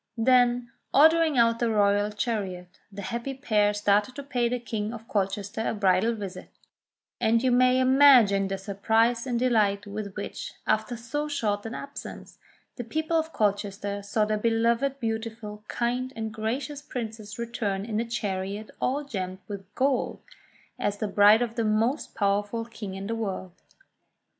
Then, ordering out the royal chariot, the happy pair started to pay the King of Colchester a bridal visit : and you may imagine the surprise and delight with which, after so short an absence, the people of Colchester saw their beloved, beautiful, kind, and gracious princess return in a chariot all gemmed with gold, as the bride of the most powerful King in the world.